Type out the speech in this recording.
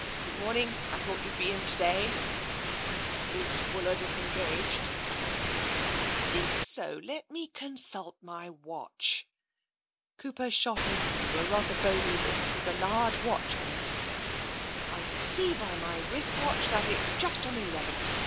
Good morning. I thought you'd be in to day." i8 TENSION U a Is Fuller disengaged ?" I think so — let me consult my watch." Cooper shot into view a rather bony wrist with a large watch on it* " I see by my wrist watch that it's just on eleven.